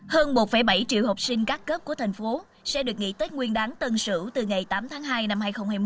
hơn một bảy triệu học sinh các cấp của thành phố sẽ được nghỉ tết nguyên đáng tân sửu từ ngày tám tháng hai năm hai nghìn hai mươi một